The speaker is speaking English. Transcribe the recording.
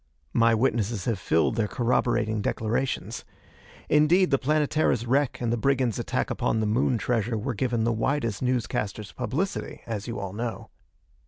My witnesses have filed their corroborating declarations. Indeed, the Planetara's wreck and the brigands' attack upon the Moon treasure were given the widest news casters' publicity, as you all know.